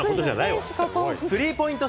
スリーポイント